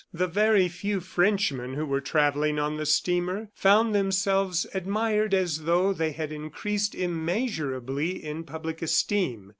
The very few Frenchmen who were travelling on the steamer found themselves admired as though they had increased immeasurably in public esteem.